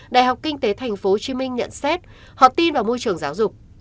đại học kinh tế tp hcm nhận xét họ tin vào môi trường giáo dục